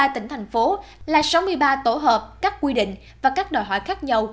ba mươi tỉnh thành phố là sáu mươi ba tổ hợp các quy định và các đòi hỏi khác nhau